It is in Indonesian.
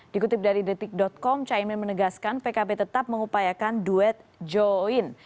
dikutip dari detik com caimin menegaskan pkb tetap mengupayakan duet join